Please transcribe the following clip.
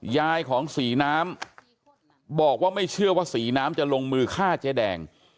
ยายของศรีน้ำบอกว่าไม่เชื่อว่าศรีน้ำจะลงมือฆ่าเจ๊แดง